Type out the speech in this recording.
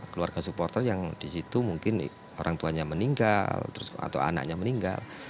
keluarga supporter yang disitu mungkin orang tuanya meninggal atau anaknya meninggal